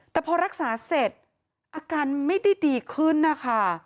แต่พอรักษาเสร็จอาการไม่ได้ดีขึ้นนะคะ